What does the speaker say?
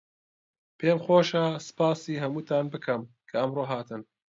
پێم خۆشە سپاسی هەمووتان بکەم کە ئەمڕۆ هاتن.